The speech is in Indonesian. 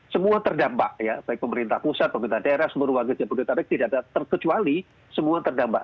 semua terdampak ya baik pemerintah pusat pemerintah daerah seluruh warga jabodetabek tidak terkecuali semua terdampak